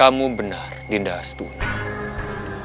aduh sakit wak